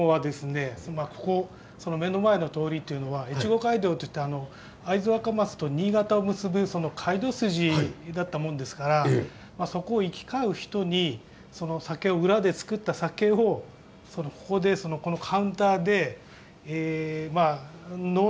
ここ目の前の通りというのは越後街道といって会津若松と新潟を結ぶ街道筋だったもんですからそこを行き交う人に裏で造った酒をここでこのカウンターで呑んでもらってた。